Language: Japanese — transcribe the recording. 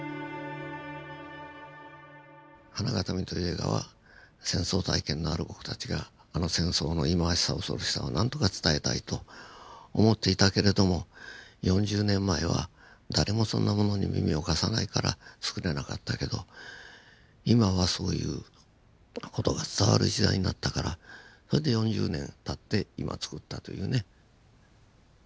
「花筐／ＨＡＮＡＧＡＴＡＭＩ」という映画は戦争体験のある僕たちがあの戦争の忌まわしさ恐ろしさを何とか伝えたいと思っていたけれども４０年前は誰もそんなものに耳を貸さないからつくれなかったけど今はそういう事が伝わる時代になったからそれで４０年たって今つくったというね。